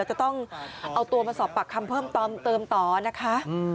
จะต้องเอาตัวมาสอบปากคำเพิ่มเติมต่อนะคะ